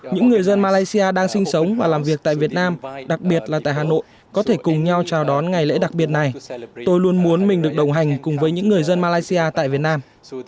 những người dân malaysia đang sinh sống và làm việc tại việt nam đặc biệt là tại hà nội có thể cùng nhau chào đón ngày lễ đặc biệt này tôi luôn muốn mình được đồng hành cùng với những người dân malaysia tại việt nam